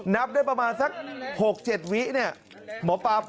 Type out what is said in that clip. นับได้ประมาณสัก๖๗วิเนี่ย